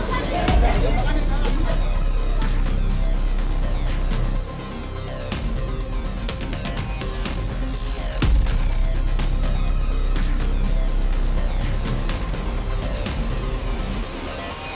saya akan mengambil bibir dari sana